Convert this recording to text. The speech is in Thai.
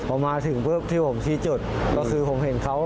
พอมาถึงปุ๊บที่ผมชี้จุดก็คือผมเห็นเขา